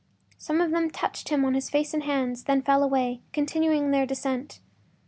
Some of them touched him on the face and hands, then fell away, continuing their descent.